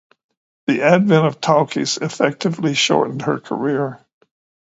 The advent of 'talkies' effectively shortened her career.